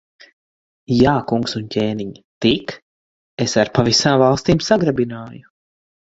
Jā, kungs un ķēniņ! Tik es ar pa visām valstīm sagrabināju.